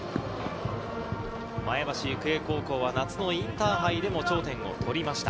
前橋育英高校は夏のインターハイでも頂点を取りました。